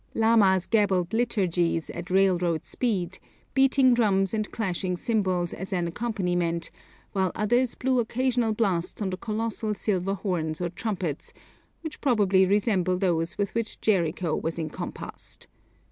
Lamas gabbled liturgies at railroad speed, beating drums and clashing cymbals as an accompaniment, while others blew occasional blasts on the colossal silver horns or trumpets, which probably resemble those with which Jericho was encompassed.